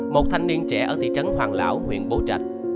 một thanh niên trẻ ở thị trấn hoàng lão huyện bố trạch